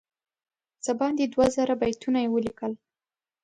څه باندې دوه زره بیتونه یې ولیکل.